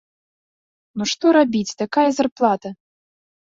Ну што рабіць, такая зарплата!